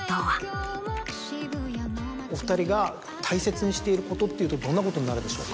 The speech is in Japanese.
お２人が大切にしていることっていうとどんなことになるでしょう